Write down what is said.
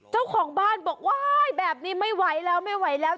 จ้าของบ้านบอกว่าแบบนี้ไม่ไหวแล้ว